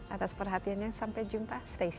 atas perhatiannya sampai jumpa stay